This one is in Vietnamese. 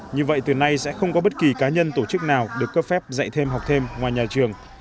như vậy từ nay sẽ không có bất kỳ cá nhân tổ chức nào được cấp phép dạy thêm học thêm ngoài nhà trường